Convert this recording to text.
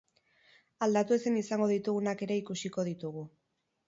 Aldatu ezin izango ditugunak ere ikusiko ditugu.